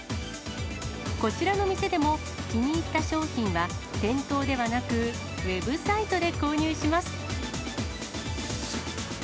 こちらの店でも、気に入った商品は、店頭ではなくウェブサイトで購入します。